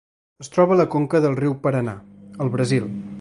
Es troba a la conca del riu Paranà al Brasil.